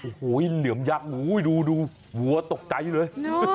โอ้โหเหลือมยักษ์ดูวัวตกใจเลย